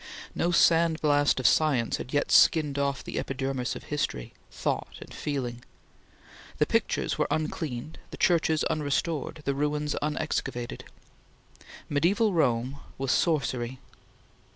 No sand blast of science had yet skinned off the epidermis of history, thought, and feeling. The pictures were uncleaned, the churches unrestored, the ruins unexcavated. Mediaeval Rome was sorcery.